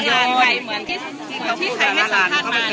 มีแต่โดนล้าลาน